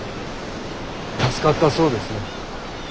助かったそうですね。